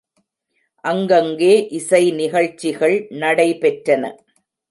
அங்கங்கே இசை நிகழ்ச்சிகள் நடை பெற்றன.